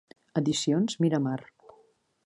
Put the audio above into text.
Edicions Miramar.